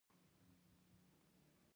وسلو ته مې کتل، هره یوه یې جلا جلا.